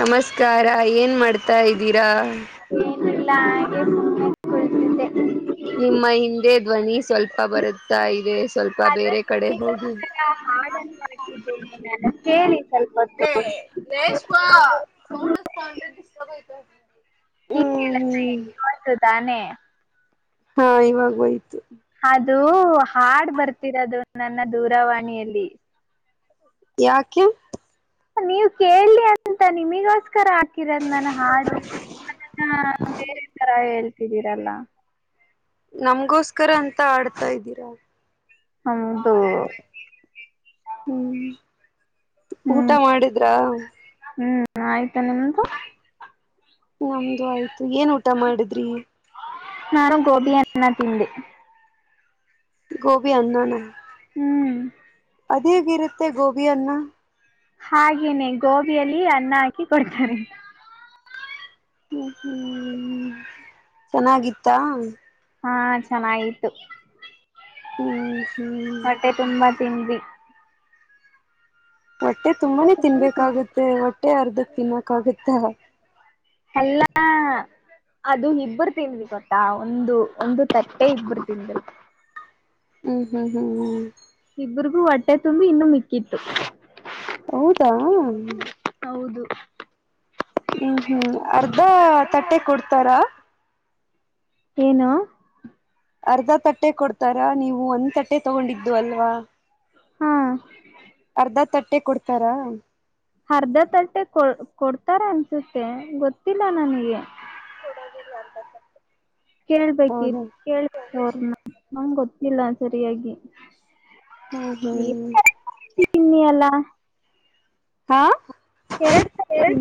ನಮಸ್ಕಾರ ಏನ್ ಮಾಡ್ತಾ ಇದ್ದೀರಾ ಏನಿಲ್ಲ ಹಾಗೆ ಸುನೆ ಕುತೀದ ನಿಮ್ಮ ಹಿಂದೆ ಧ್ವನಿ ಸ್ವಲ್ಪ ಬರುತ್ತಾ ಇದೆ ಸ್ವಲ್ಪ ಅದು ಬೇರೆ ಕಡೆ ಹೋಗ ನಿಮಗೋಸ್ಕರ ಹಾಡನ್ನು ಮಾಡ್ತಿದ್ದೇನೆ ಕೇಳಿ ಸ್ವಲ್ಪ ಹೊತ್ತು. ರೇಷ್ಮಾ ಸೌಂಡ್ಸ್ತ ಅಂದ್ರೆ ಡಿಸ್ಟರ್ಬ್ ಯ್ತಗೆ ಹ್ಮ ತಾನೆ ಹಾ ಇವಾಗೋಯ್ತು ಅದು ಹಾಡ್ ಬರ್ತಿರೋದು ನನ್ನ ದೂರವಾಣಿಯಲ್ಲಿ ಯಾಕೆ ನೀವ್ ಕೇಳಲಿಿ ಅಂತ ನಿಮಗ ತರ ಹಾಕಿದ ನಾನ ಹಾಡುನ್ನ ಬೇರೆ ತರ ಹೇಳ್ತಿದೀರಲ್ಲ ನಮ್ಗೋಸ್ಕರ ಅಂತ ಆಡ್ತಾ ಇದ್ದೀರಾ ಹದು ಹ್ಮ್ ಊಟ ಮಾಡಿದ್ರ ಹ ಆಯ್ತಾ ನಿಮ್ದು ನಮ್ದು ಆಯ್ತು ಏನ್ ಊಟ ಮಾಡಿದ್ರಿ ನಾರು ಗೋಪಿನ್ನ ತಿಿಂದೆ ಗೋಭಿ ಆನ್ನನ ಹ್ಮ್ ಇದೇಗರುತ್ತೆ ಗೋಬಿಯನ್ನ ಹಾಗೇನೆ ಗೋಬಿಯಲ್ಲಿ ಅನ್ನ ಹಾಕಿ ಕೊಡ್ತಾರೆ ಹ್ಮ ಹ್ಮ್ ಚೆನ್ನಾಗಿತ್ತಾ ಹಾ ಚೆನ್ನಾಗಿತು ಹ್ಮ ಹೊಟ್ಟೆ ತುಂಬಾ ತಿಂಡಿ ಹೊಟ್ಟೆ ತುಂಬಾನೇ ತಿನ್ಬೇಕಾಗುತ್ತೆ ಹೊಟ್ಟೆ ಅರ್ಧಕ್ ತಿನ್ಬೇಕಾಗುತ್ತೆ ಎಲ್ಲಾ ಅದು ಇಬ್ಬರು ತಿದ್ವಿ ಕೊಟ್ಟಾ ಒಂದು ಒಂದು ತಟ್ಟೆ ಇಬ್ಬರು ತಿಿಂದ್ವಿ ಹ್ಮ್ ಹ್ಮ್ ಹ್ಮ್ ಹ್ಮ್ ಇಬ್ರಗೂ ಹೊಟ್ಟೆ ತುಂಬಿ ಇನ್ನು ಮಿಕ್ಕಿತ್ತು ಹೌದಾ ಹೌದು ಹ್ಮ್ ಹ್ಮ್ ಅರ್ಧ ತಟ್ಟೆ ಕೊಡ್ತಾರ ಏನು ಅರ್ಧ ತಟ್ಟೆ ಕೊಡ್ತಾರಾ ನೀವು ಒಂದ್ ತಟ್ಟೆ ತಗೊಂಡಿದ್ದು ಅಲ್ವಾ ಹಾ ಅರ್ಧ ತಟ್ಟೆ ಕೊಡ್ತಾರಾ ಅರ್ಧ ತಟೆ ಕೊ ಕೊಡ್ತಾರ ಅನ್ಸುತ್ತೆ ಗೊತ್ತಿಲ್ಲ ನನಗೆ ಹ ಕೇಳ್ಬೇಕಿ ಹೌದು ಕೇಳಳ್ಬೇಕ ಅವ್ರನ್ನ ನಮಗೆ ಗೊತ್ತಿಲ್ಲ ಸರಿಯಾಗಿ ಹ್ಮ ಹ್ಮ್ ತಿನ್ನ ಅಲ್ಲ ಹಾ ಎರಡು ಸತಿ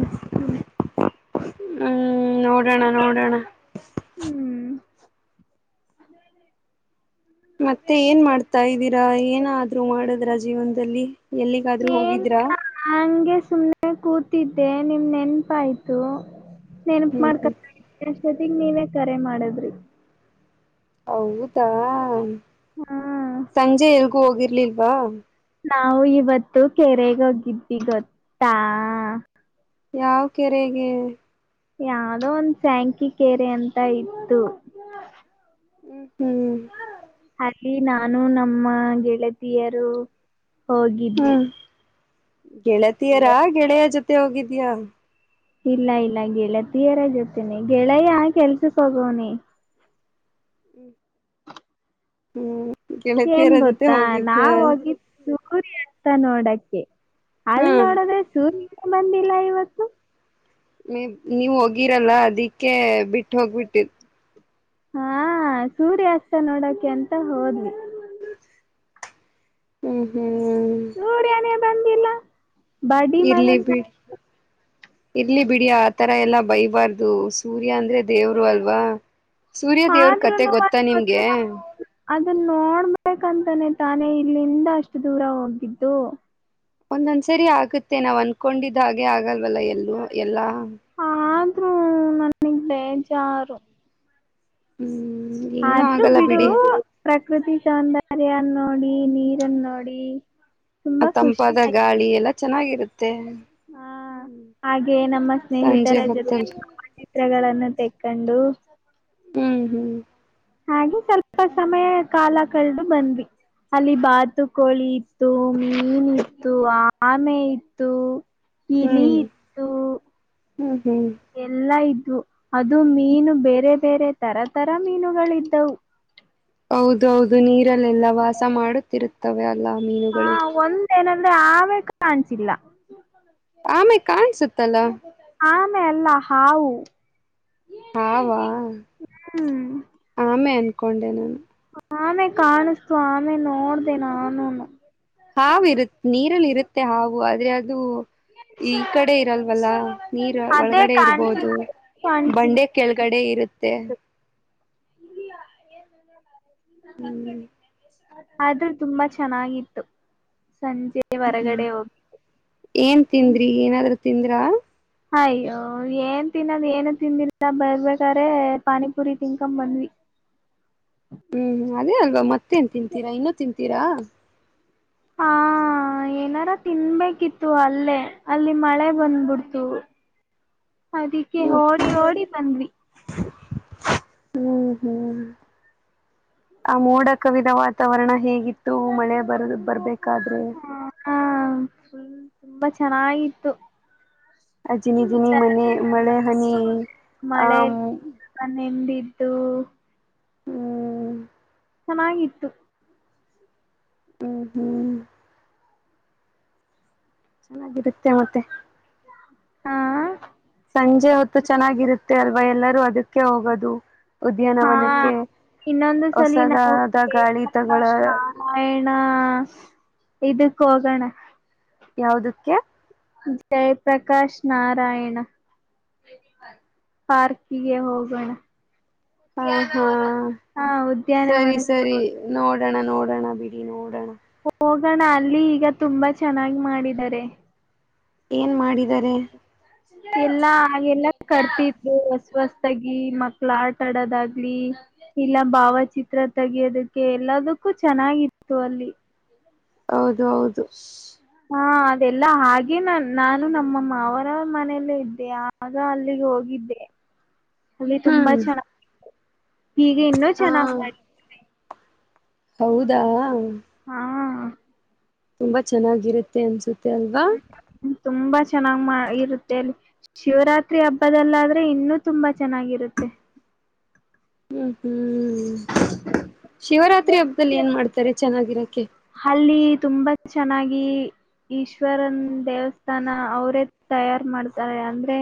ಹ್ಮ್ ನೋಡೋಣ ನೋಡೋಣ ಹ್ಮ್ ಮತ್ತೆ ಏನ್ ಮಾಡ್ತಾ ಇದ್ದೀರಾ ಏನಾದ್ರು ಮಾಡದ್ರ ಜೀವನದಲ್ಲಿ ಎಲ್ಲಿಗಾದ್ರೂ ಹೋಗಿದ್ರಾ ನಂಗೆ ಸುಮ್ನೆ ಕೂತಿದ್ದೆ ನಿಮ್ ನೆನಪ ಆಯ್ತು ನೆನ್ಪ ಹ್ಮ್ ಮಾಡ್ಕ ಹ್ಮ್ ಅಷ್ಟೊತ್ತಗ್ ನೀವೇ ಕರೆ ಮಾಡದ್ರಿ ಹೌದಾ ಹ್ಮ ಸಂಜೆ ಎಲ್ಗೂ ಹೋಗಿರ್ಲಿಲ್ವಾ ನಾವು ಇವತ್ತು ಕೆರೆಗೆ ಹೋಗಿದ್ದ್ವಿ ಗೊತ್ತಾ ಯಾವ ಕೆರೆಗೆ ಯಾವದೋ ಒಂದ್ ಶ್ಯಾಂಕಿ ಕೆರೆ ಅಂತ ಇತ್ತು. [unintelligible] ಹ್ಮ್ ಹ್ಮ್ ಅಲ್ಲಿ ನಾನು ನಮ್ಮ ಗೆಳತಿಯರು ಹೋಗಿದ್ವಿ ಹ್ಮ್ ಗೆಳತಿಯರಾ ಗೆಳೆಯ ಜೊತೆ ಹೋಗಿದ್ಯಾ. ಇಲ್ಲ ಇಲ್ಲ ಗೆಳತೀಯರ ಜೊತಿನೆ ಗೆಳೆಯ ಕೆಲಸುಕ್ ಹೋಗೋನೆ. [inaudible] ಹ್ಮ್ ಏನ್ ಗೆಳತಿಯರ ಜೊತೆ ಗೊತ್ತಾ ಹೋಗಿದ್ದ ನಾವ್ ಹೋಗ [unintelligible] ಅಂತ ನೋಡಕ್ಕೆ ಹಾ ಅಲ್ಲಿ ನೋಡದ್ರೆ ಸೂರ್ಯ ಬಂದಿಲ್ಲ ಇವತ್ತು. ನೀ ನೀವ ಹೋಗಿರಲ್ಲ ಅದಿಕ್ಕೆ ಬಿಟ್ಟ ಹೋಗ್ಬಿಟ್ಟಿದ್. ಹಾ ಸೂರ್ಯಾಸ್ತ ನೋಡಕೆ ಅಂತ ಹೋದ್ವಿ. ಹ್ಮ್ ಹ್ಮ್ ಸೂರ್ಯನೇ ಬಂದಿಲ್ಲ. ಬಡಿ ಇರ್ಲಿ ಮಗಂತ ಬಿಡಿ ಇರ್ಲಿ ಬಿಡಿ ಆತರ ಎಲ್ಲಾ ಬೈಬಾರ್ದು ಸೂರ್ಯ ಅಂದ್ರೆ ದೇವರು ಅಲ್ವಾ. ಸೂರ್ಯ ದೇವ್ರ ಕತೆ ಆದ್ರೂನು ಗೊತ್ತಾ ನಿಮ್ಗೆ. ಅದನ್ ನೋಡಬೇಕಂತನೆ ತಾನೇ ಇಲ್ಲಿಂದ ಅಷ್ಟು ದೂರ ಹೋಗಿದ್ದು. ಒಂದೊಂದ್ಸರಿ ಆಗುತ್ತೆ ನಾವ್ ಅನ್ಕೊಂಡಿದ ಹಾಗೆ ಆಗಲ್ವಲ್ಲ ಎಲ್ಲೂ ಎಲ್ಲಾ. ಆದ್ರೂ ನನಗ್ ಬೇಜಾರು. ಹ್ಮ್ ಏನು ಅದ್ರೂ ಆಗಲ್ಲ ಬಿಡು ಬಿಡಿ ಪ್ರಕೃತಿ ಸೌಂದರ್ಯನ್ ನೋಡಿ ನೀರನ್ ನೋಡಿ ಆ ತುಂಬಾ ಖುಷಿ ತಂಪಾದ ಆಯ್ತು. ಗಾಳಿ ಎಲ್ಲಾ ಚೆನ್ನಾಗಿರುತ್ತೆ. ಹಾ ಹ್ಮ್ ಹಾಗೆ ನಮ್ಮ ಸಂಜೆ ಸ್ನೇಹಿತರ ಜೊತೆ ಹೊತ್ತಲ್ಲಿ [unintelligible] ತೆಕ್ಕೊಂಡು. ಹ್ಮ್ ಹ್ಮ್ ಹಾಗೆ ಸ್ವಲ್ಪ ಸಮಯ ಕಾಲ ಕಾಲ್ದು ಬಂದ್ವಿ. ಅಲ್ಲಿ ಬಾತುಕೋಳಿ ಇತ್ತು ಮೀನ್ ಇತ್ತು ಆಮೆ ಇತ್ತು. ಇಲಿ ಹ್ಮ್ ಇತ್ತು ಹ್ಮ್ ಹ್ಮ್ ಎಲ್ಲಾ ಇದ್ವು. ಅದು ಮೀನು ಬೇರೆ ಬೇರೆ ತರ ತರ ಮೀನುಗಳು ಇದ್ದವು. ಹೌದು ಹೌದು ನೀರಲ್ಲೆಲ್ಲ ವಾಸ ಮಾಡುತ್ತಿರುತ್ತವೆ ಅಲ್ಲಾ ಮೀನುಗಳು. ಒಂದೇಏನಂದ್ರೆ ಆಮೆ ಕಾಣಿಸಿಲ್ಲ. [unintelligible] ಆಮೆ ಕಾಣ್ಸುತ್ತಲ್ಲ. ಆಮೇ ಅಲ್ಲ ಹಾವು. ಹಾವಾ ಹ್ಮ್ ಆಮೇ ಅನ್ಕೊಂಡೆ ನಾನು. ಆಮೆ ಕಾಣಿಸ್ತು ಆಮೆ ನೋಡ್ದ ನಾನುನು. ಹಾವು ಇರುತ್ ನೀರಲ್ಲಿ ಇರುತ್ತೆ ಹಾವು ಆದ್ರೆ ಅದು. ಈ ಕಡೆ ಇರಲ್ವಲ್ಲ ನೀರ್ ಅದೇ ಒಳಗಡೆ ಇರ್ಬೋದು ಕಾಣ್ಸಿಲ್ಲ ಕಾಣ್ಸಿಲ್ಲ ಬಂಡೆ ಕೆಳಗಡೆ ಇರುತ್ತೆ. ಹೂಂ ಆದ್ರೂ ತುಂಬಾ ಚೆನ್ನಾಗಿತ್ತು ಸಂಜೆ. ಹ್ಮ್ ಹೊರಗಡೆ ಹೋಗಿ ಏನ್ ತಿಂದ್ರಿ ಏನಾದ್ರೂ ತಿಂದ್ರಾ. ಅಯ್ಯೋ ಏನ್ ತಿನ್ನೋದ್ ಏನು ತಿಂದಿಲ್ಲ ಬರ್ಬೇಕರೆ ಪಾನಿಪುರಿ ತಿನ್ಕೊ ಬಂದ್ವಿ. ಹ್ಮ್ ಅದೇ ಅಲ್ವಾ ಮತ್ತೇನ್ ತಿಂತೀರಾ ಇನ್ನುೂ ತಿಂತೀರಾ [inaudible] ನಾ ಏನಾರ ತಿನ್ಬೇಕಿತ್ತು ಅಲ್ಲೇ ಅಲ್ಲಿ ಮಳೆ ಬಂದ್ಬಿಡ್ತು. ಅದಿಕ್ಕೆ ಹ್ಮ್ ಓಡಿ ಓಡಿ ಬಂದ್ವಿ. ಹ್ಮ್ ಹ್ಮ್ ಆ ಮೋಡ ಕವಿದ ವಾತಾವರಣ ಹೇಗಿತ್ತು ಮಳೆ ಬರಲೂ ಬರರ್ಬೇಕಾದ್ರೆ ಹಾ ಹಾ ಫುಲ್ ತುಂಬಾ ಚೆನ್ನಾಗಿತ್ತು. ಆ ಜೀನಿ ಜೀನಿ ಒಂಥರ ಮನೆ ಮಳೆ ಹನಿ ಆ ಮನೆಂದಿದ್ದು. ಚೆನ್ನಾಗಿತ್ತು. ಹ ಹ್ಮ್ ಚೆನ್ನಾಗಿರುತ್ತೆ ಮತ್ತೆ. ಹಾ. ಸಂಜೆ ಹೊತ್ತು ಚೆನ್ನಾಗಿರುತ್ತೆ ಅಲ್ವಾ ಎಲ್ಲರೂ ಅದಕ್ಕೆ ಹೋಗೋದು. ಹಾ ಉದ್ಯಾನವನಕ್ಕೆ ಇನ್ನೊಂದು ಸಲಿ ಹೊಸದಾದ ಗಾಳಿತಗಳ ಆಯಣ ಇದಕ್ಕ ಹೋಗೋಣ. ಯಾವದಕ್ಕೆ. ಜಯಪ್ರಕಾಶ್ ನಾರಾಯಣ. ಪಾರ್ಕಿಗೆ ಹೋಗೋಣ. ಹಾ ಹಾ ಹಾ ಸರಿ ಉದ್ಯಾನವನಕ್ಕೆ ಸರಿ. ನೋಡೋಣ ನೋಡೋಣ ಬಿಡಿ ನೋಡೋಣ. ಹೋಗೋಣ ಅಲ್ಲಿ ಈಗ ತುಂಬಾ ಚೆನ್ನಾಗಿ ಮಾಡಿದಿದ್ದಾರೆ. ಏನ್ ಮಾಡಿದ್ದಾರೆ. ಇಲ್ಲಾ ಎಲ್ಲ ಕಟ್ತಿದ್ರು ಹೊಸ ಹೊಸದಾಗಿ ಮಕ್ಳ ಆಟ ಆಡೋದಾಗ್ಲಿ. ಇಲ್ಲ ಭಾವಚಿತ್ರ ತೆಗಿಯೋದಕ್ಕೆ ಎಲ್ಲದಕ್ಕೂ ಚೆನ್ನಾಗಿತ್ತು ಅಲ್ಲಿ. ಹೌದು ಹೌದು ಹಾ ಅದೆಲ್ಲ ಹಾಗೆ ನಾ ನಾನು ನಮ್ಮ ಮಾವರ ಮನೆಯಲ್ಲೇ ಇದ್ದೆ ಆಗ ಅಲ್ಲಿಗೆ ಹೋಗಿದ್ದೆ. [unintelligible] ಅಲ್ಲಿ ತುಂಬಾ ಹ್ಮ್ ಚೆನ್ನಾಗ್ ಈಗ ಇನ್ನೂ ಚೆನ್ನಾಗಿ ಹ ಮಾಡ ಹೌದಾ. ಹಾ. ತುಂಬಾ ಚೆನ್ನಾಗಿರುತ್ತೆ ಅನ್ಸುತ್ತೆ ಅಲ್ವಾ. ತುಂಬಾ ಚೆನ್ನಾಗ್ ಮಾ ಇರುತ್ತೆ ಅಲ್ಲಿ. ಶಿವರಾತ್ರಿ ಹಬ್ಬದಲ್ಲಾದ್ರೆ ಇನ್ನುೂ ತುಂಬಾ ಚೆನ್ನಾಗಿರುತ್ತೆ. ಹ್ಮ್ ಹ್ಮ್ ಶಿವರಾತ್ರಿ ಹಬ್ಬದಲ್ಲಿ ಏನ್ ಮಾಡ್ತಾರೆ ಚೆನ್ನಾಗಿರಕೆ. ಅಲ್ಲಿ ತುಂಬಾ ಚೆನ್ನಾಗಿ. ಈಶ್ವರನ್ ದೇವಸ್ಥಾನ ಅವ್ರೇ ತಯಾರ ಮಾಡ್ತಾರೆ ಅಂದ್ರೆ.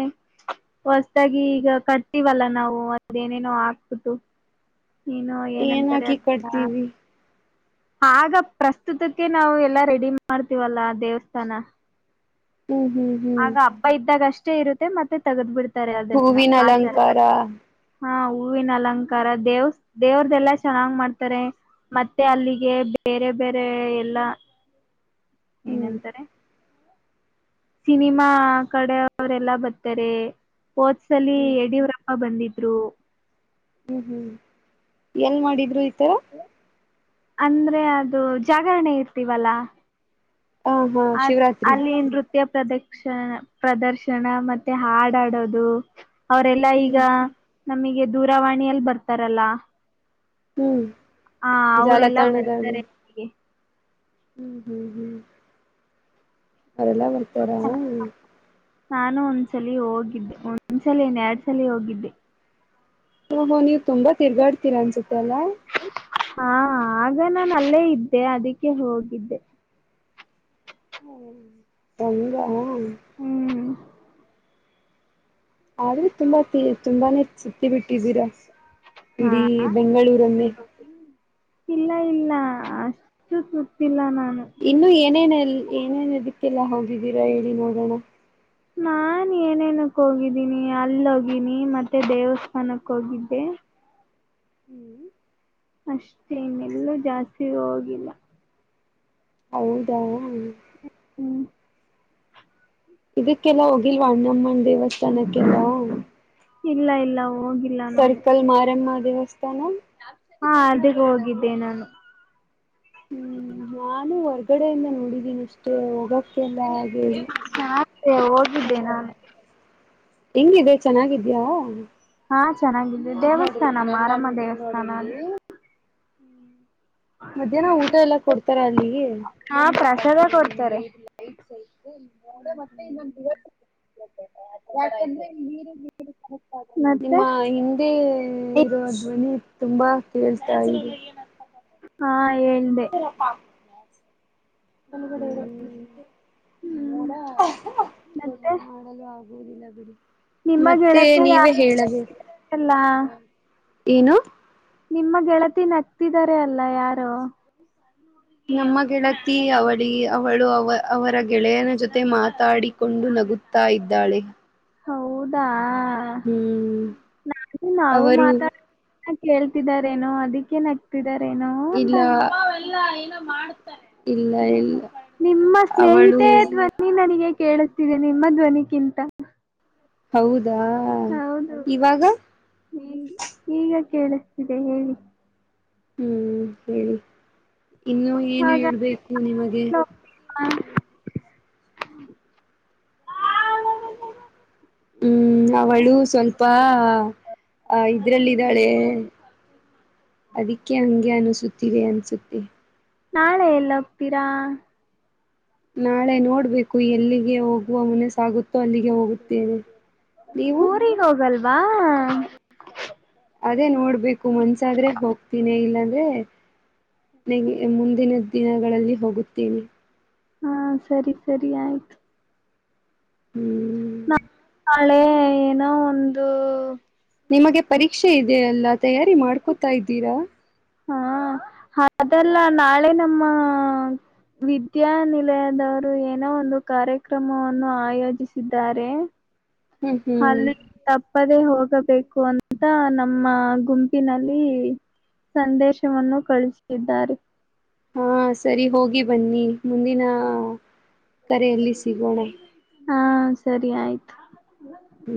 ಹೊಸದಾಗಿ ಈಗ ಕಟ್ಟತಿವಲಾ ನಾವು ಒಂದ ಏನೇನೋ ಹಾಕ್ಬಿಟ್ಟು. ಏನೋ ಏನ್ ಏನಂತಾರೆ ಹಾಕಿ ಅದ್ನ ಕಟ್ತೀವಿ ಆಗ ಪ್ರಸ್ತುತಕ್ಕೆ ನಾವು ಎಲ್ಲಾ ರೆಡಿ ಮಾಡ್ತೀವಲ್ಲಾ ದೇವಸ್ಥಾನ. ಹ್ಮ್ ಹ್ಮ್ ಹ್ಮ್ ಆಗ ಹಬ್ಬ ಇದ್ದಾಗ ಅಷ್ಟೇ ಇರುತ್ತೆ ಮತ್ತೆ ತಗದ್ ಬಿಡ್ತ. ಹೂವಿನ ಅಲಂಕಾರ. ಹಾ ಹೂವಿನ ಅಲಂಕಾರ ದೇವ್ಸ್ ದೇವ್ರ್ದಲ್ಲಾ ಚೆನ್ನಾಗ್ ಮಾಡ್ತಾರೆ. ಮತ್ತೆ ಅಲ್ಲಿಗೆ ಬೇರೆ ಬೇರೆ ಎಲ್ಲಾ ಹ್ಮ್ ಏನಂತಾರೆ. ಸಿನಿಮಾ ಕಡೆ ಅವರೆಲ್ಲ ಬರ್ತಾರೆ ವೋಟ್ಸ್ ಅಲ್ಲಿ ಎಡವ್ರ ಆ ಬಂದಿದ್ರು ಹ್ಮ್ ಹ್ಮ್ ಎಲ್ ಮಾಡಿದ್ರು ಈತರ ಅಂದ್ರೆ ಅದು ಜಾಗರಣೆ ಇರ್ತೀವಲ್ಲಾ ಹ ಹಾ ಆ ಶಿವರಾತ್ರಿ ಅಲ್ಲಿ ಏನ್ರು ನೃತ್ಯ ಪ್ರದರ್ಶ ಪ್ರದರ್ಶನ ಮತ್ತೆ ಹಾಡಾಡೋದು ಅವರೆಲ್ಲಾ ಹ್ಮ್ ಈಗ ನಮಗೆ ದೂರವಾಣಿಯಲ್ಲಿ ಬರ್ತಾರಲ್ಲ ಹ್ಮ್ ಹ ಜಾಲ ಅವರೆಲ್ಲಾ ತಾಣದ ಅ ಬರ್ತಾರೆ ಅಲ್ಲಿಗೆ ಹ್ಮ್ ಹ್ಮ್ ಹ್ಮ್ ಅವರೆಲ್ಲ ಬರ್ತಾರಾ ನಾನು ಒಂದ್ಸಲ ಹೋಗಿದ್ದೆ ಒಂದ್ಸಲನ್ ಎರಡ್ ಸಲ ಹೋಗಿದ್ದೆ ಹಹೋ ನೀವು ತುಂಬ ತಿರ್ಗಾಡ್ತೀರ ಅನ್ಸೆಲ್ಲಾ ಹಾ ಆಗ ನಾಾನು ಅಲ್ಲೇ ಇದ್ದೆ ಅದಕ್ಕೆ ಹೋಗಿದ್ದೆ ಹ್ಮ ತಂಗ ಹ್ಮ್ ಆದ್ರೆ ತುಂಬಾ ತುಂಬಾನೇ ಸುತ್ತಿ ಬಿಟ್ಟಿದ್ದೀರಾ ಹಾ ಇಡೀ ಬೆಂಗಳೂರಲ್ಲಿೇ ಇಲ್ಲ ಇಲ್ಲ ಅಷ್ಟು ಸುತ್ತಿಲ್ಲ ನಾನು ಇನ್ನು ಏನೇನ ಏನೇನ ಅದಕ್ಕೆಲ್ಲ ಹೊಂದಿದ್ದೀರಾ ಹೇಳಿ ನೋಡೋಣ ನಾ ಏನೇನಕ್ ಹೋಗಿದ್ದೀನಿ ಅಲ್ಲೋಗೀಿನಿ ಮತ್ತೆ ದೇವಸ್ಥಾನಕ್ಕೆ ಹೋಗಿದ್ದೆ ಅಷ್ಟೇ ಇನ್ನಲ್ಲೂ ಜಾಸ್ತಿ ಹೋಗಿಲ್ಲ ಹೌದಾ ಹ್ಮ್ ಇದಕ್ಕೆಲ್ಲಾ ಹೋಗಿಲ್ವಾ ಅಣ್ಣಮ್ಮನ ದೇವಸ್ಥಾನಕ್ಕೆಲ್ಲ ಇಲ್ಲ ಇಲ್ಲ ಹೋಗಿ ಸರ್ಕಲ್ ಮಾರಮ್ಮ ದೇವಸ್ಥಾನ ಹಾ ಅದ ಹೋಗಿದ್ದೆ ನಾನು ಹ್ಮ್ ನಾನು ಹೊರ್ಗಡೆಯಿಂದ ನೋಡಿದೀನಿ ಅಷ್ಟೇ ಹೋಗಕ್ಕೆ ಎಲ್ಲ ಹಾಗೆ ಅೇ ಹೋಗಿದ್ದೆ ನಾನು ಹೆಂಗಿದೆ ಚೆನ್ನಾಗಿದ್ಯಾ ಹಾ ಚೆನ್ನಾಗಿದ್ೆ ದೇವಸ್ಥಾನಮ್ಮ ಮಾರಮ್ಮ ದೇವಸ್ಥಾನ ಅ ಮಧ್ಯಾಹ್ನ ಊಟ ಎಲ್ಲಾ ಕೊಡ್ತಾರ ಅಲ್ಲಿಗೆ ಹಾ ಪ್ರಸಾದ ಕೊಡ್ತಾರೆ ಮತ್ತೆ ಇೊ ನೀರು ಬಿಸಿ ನಿಮ್ಮ ಹಿಂದೆ ಇರೋ ಧ್ವನಿ ತುಂಬಾ ಕೇಳ್ತಾ ಇದೆ ಹಾ ಎಏಂಡ ಸರಪ್ಪ ಒಗಡೆ ಹ್ಮ್ ಇ ಹ್ಮಡ ಏ ಮಾಡಲು ಆಗುವುದಿಲ್ಲ ಬಿಡಿ ಮತ್ತೆ ನೀವೇ ಹೇಳಬೇಕು ಎಲ್ಲಾ ಏನು ನಿಮ್ಮ ಗೆಳತಿನ ಹಕ್ತಿದಿದ್ದಾರೆ ಅಲ್ಲ ಯಾರು ನಮ್ಮ ಗೆಳತಿ ಅವಳಿ ಅವಳು ಅವ ಅವರ ಗೆಳೆಯನ ಜೊತೆ ಮಾತಾಡಿಕೊಂಡು ನಗುುತ್ತ ಹತಾ ಇದ್ದಾಳೆ ಹೌದಾ ಹ್ಮ್ ನು ನಾವು ಅವರು ಮಾತಾ ಹ ಕೇಳ್ತಿದಾರೇನೋ ಅದಕ್ಕೇ ನಗ್ತಿದಾರೇನೋ ಅಂತ ಇಲ್ಲ ಅನ್ಕೊಂಡೆ. ಇಲ್ಲ ಇಲ್ಲ ಅವಳು ನೀ ನನಗೆ ಕೇಳುತ್ತಿದೆ ನಿಮ್ಮ ಧ್ವನಿಗಿಂತ ಹೌದಾ ಇವಾಗ ನೀ ಈಗ ಕೇಳಿಸತಿದೆ ಹೇಳಿ ಹ್ಮ್ ಹೇಳಿ ಇನ್ನು ಏನು ಹೇಳ್ಬೇಕು ನಿಮಗೆ ಹಾ ಹ್ಮ್ ಅವಳು ಸ್ವಲ್ಪ ಇದ್ರಲ್ಲಿದ್ದಾಳೆ ಅದಿಕ್ಕೆ ಹಂಗೆ ಅನಸುತ್ತಿವೆ ಅನ್ಸುತ್ತೆ ನಾಳೆ ಎಲ್ಲ ಹೋಗತೀರಾ ನಾಳೆ ನೋಡ್ಬೇಕು ಎಲ್ಲಿಗೆ ಹೋಗುವ ಮನೆ ಸಾಗುತ್ತೋ ಅಲ್ಲಿಗೆ ಹೋಗುತ್ತೇವೆ ನೀವು ಊರಿಗೆ ಹೋಗಲ್ವಾ ಅದೇ ನೋಡ್ಬೇಕು ಮನ್ಸಾದ್ರೆ ಹೋಗ್ತೀನಿ ಇಲ್ಲಾಂದ್ರೆ ನನಗೆ ಮುಂದಿನ ದಿನಗಳಲ್ಲಿ ಹೋಗುತ್ತೀವಿ ಹಾ ಸರಿ ಸರಿ ಆಯ್ತು ಹ್ಮ್ ನ ನಾಳೆ ಏನೋ ಒಂದು ನಿಮಗೆ ಪರೀಕ್ಷೆ ಇದೆಯಲ್ಲ ತಯಾರಿ ಮಾಡ್ಕೊತಾ ಇದ್ದೀರಾ ಹ ಅದೆಲ್ಲ ನಾಳೆ ನಮ್ಮ ವಿದ್ಯಾನಿಲಯದವರು ಏನೋ ಒಂದು ಕಾರ್ಯಕ್ರಮವನ್ನು ಆಯೋಜಿಸಿದ್ದಾರೆ ಹ್ಮ್ ಹ್ಮ್ ಅಲ್ಲಿ ತಪ್ಪದೆ ಹೋಗಬೇಕು ಅಂತ ನಮ್ಮ ಗುಂಪಿನಲ್ಲಿ ಸಂದೇಶವನ್ನು ಕಳಿಸಿದ್ದಾರೆ ಹಾ ಸರಿ ಹೋಗಿ ಬನ್ನಿ ಮುಂದಿನ ಕರೆಯಲ್ಲಿ ಸಿಗೋಣೆ ಹಾ ಸರಿ ಆಯ್ತು ಹ್ಮ್